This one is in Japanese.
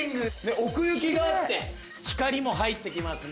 奥行きがあって光も入って来ますね。